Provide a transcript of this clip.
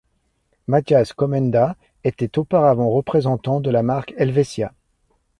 Matthias Komenda était auparavant représentant de la marque Helvetia.